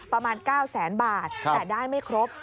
ประมาณ๙แสนบาทแต่ได้ไม่ครบ